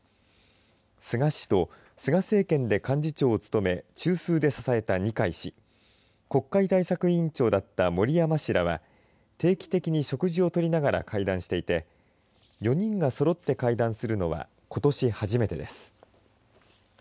菅氏と菅政権で幹事長を務め中枢で支えた二階氏国会対策委員長だった森山氏らは定期的に食事を取りながら会談していて４人がそろって会談するのはことし初めてです。